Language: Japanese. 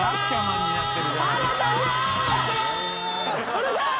うるさい！